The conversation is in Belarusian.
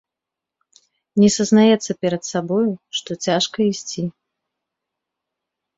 Не сазнаецца перад сабою, што цяжка ісці.